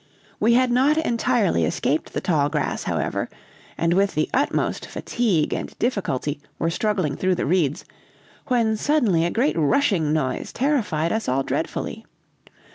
"We had not entirely escaped the tall grass, however, and with the utmost fatigue and difficulty, were struggling through the reeds, when suddenly a great rushing noise terrified us all dreadfully.